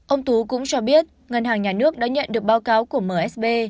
ông tú cũng cho biết ngân hàng nhà nước đã nhận được báo cáo của msb